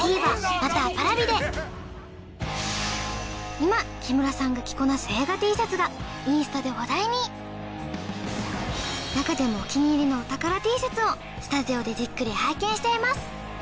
今木村さんが着こなす映画Ｔシャツがインスタで話題に中でもお気に入りのお宝Ｔシャツをスタジオでじっくり拝見しちゃいます